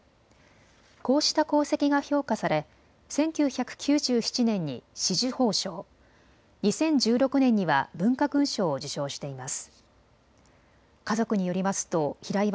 こうした功績が評価され１９９７年に紫綬褒章、２０１６年には文化勲章を受章しています。